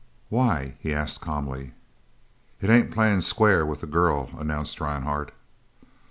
"Why?" he asked calmly. "It ain't playin' square with the girl," announced Rhinehart.